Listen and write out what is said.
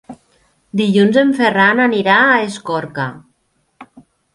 Dilluns en Ferran anirà a Escorca.